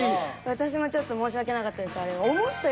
私もちょっと申し訳なかったですあれ。